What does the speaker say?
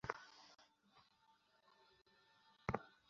তাঁহাদের শিল্পচর্চা ও প্রাত্যহিক আচরণের মধ্যেও ঐ বৈশিষ্ট্য লক্ষণীয়।